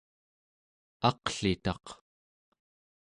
aqlitaq